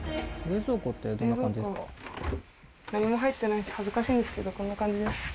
冷蔵庫何も入ってないし恥ずかしいんですけどこんな感じです。